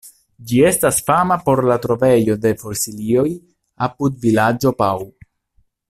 Ĝi estas fama por la trovejo de fosilioj apud vilaĝo Pau.